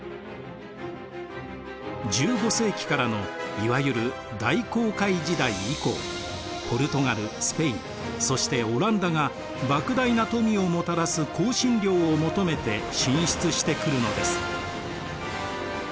１５世紀からのいわゆる大航海時代以降ポルトガルスペインそしてオランダがばく大な富をもたらす香辛料を求めて進出してくるのです。